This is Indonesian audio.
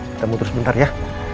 kita mutus bentar ya